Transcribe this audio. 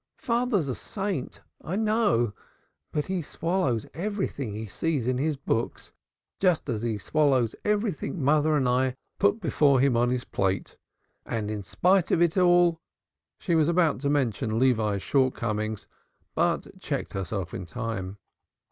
Father's a saint, I know, but he swallows everything he sees in his books just as he swallows everything mother and I put before him in his plate and in spite of it all " She was about to mention Levi's shortcomings but checked herself in time.